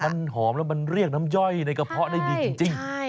มันหอมแล้วมันเรียกน้ำย่อยในกระเพาะได้ดีจริง